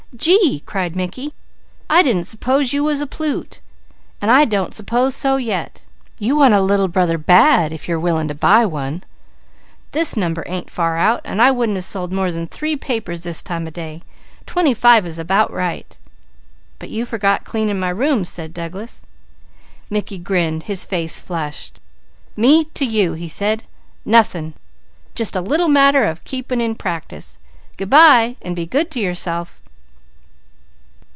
Gee!" cried Mickey. "I didn't s'pose you was a plute! And I don't s'pose so yet. You want a Little Brother bad if you're willing to buy one. This number ain't far out, and I wouldn't have sold more than three papers this time of day twenty five is about right." "But you forget cleaning my rooms," said Douglas. Mickey grinned, his face flushed. "Me to you!" he said. "Nothing! Just a little matter of keeping in practice. Good bye and be good to yourself!"